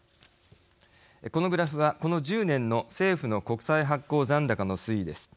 このグラフはこの１０年の政府の国債発行残高の推移です。